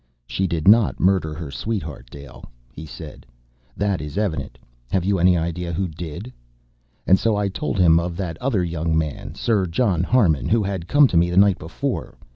"She did not murder her sweetheart, Dale" he said. "That is evident. Have you any idea who did?" And so I told him of that other young man. Sir John Harmon, who had come to me the night before.